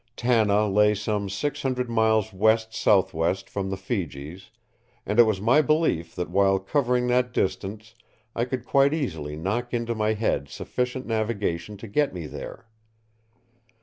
Tanna lay some six hundred miles west southwest from the Fijis, and it was my belief that while covering that distance I could quite easily knock into my head sufficient navigation to get me there.